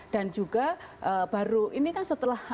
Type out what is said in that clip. dan juga baru ini kan setelah